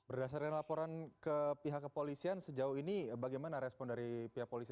berdasarkan laporan ke pihak kepolisian sejauh ini bagaimana respon dari pihak polisi